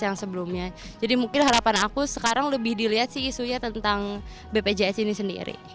yang sebelumnya jadi mungkin harapan aku sekarang lebih dilihat sih isunya tentang bpjs ini sendiri